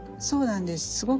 そうなんです。